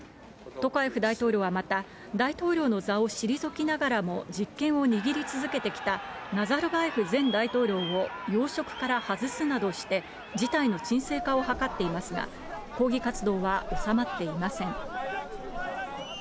トカエフ大統領はまた、大統領の座を退きながらも実権を握り続けてきた、ナザルバエフ前大統領を要職から外すなどして、事態の鎮静化を図っていますが、抗議活動は収まっていません。